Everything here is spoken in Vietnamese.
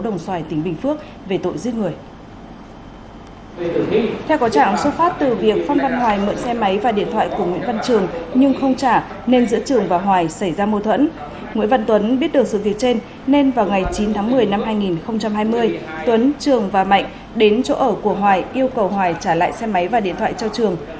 nên vào ngày chín tháng một mươi năm hai nghìn hai mươi tuấn trường và mạnh đến chỗ ở của hòa yêu cầu hòa trả lại xe máy và điện thoại cho trường